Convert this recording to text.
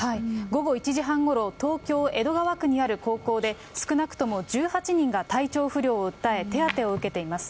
午後１時半ごろ、東京・江戸川区にある高校で、少なくとも１８人が体調不良を訴え、手当てを受けています。